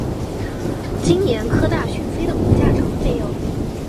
今年科大讯飞的股价涨了没有？